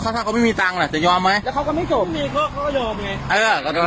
บอกว่าเค้าไม่มีตังค์ไม่ได้โจปกัน